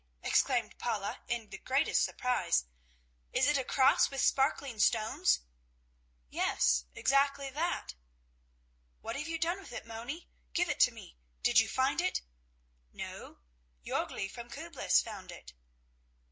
exclaimed Paula, in the greatest surprise. "Is it a cross with sparkling stones?" "Yes, exactly that." "What have you done with it, Moni? Give it to me. Did you find it?" "No, Jörgli from Küblis found it."